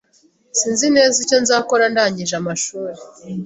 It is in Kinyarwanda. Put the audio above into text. Sinzi neza icyo nzakora ndangije amashuri.